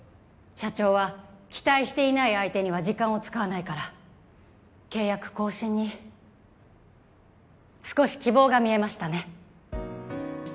社長は期待していない相手には時間を使わないから契約更新に少し希望が見えましたね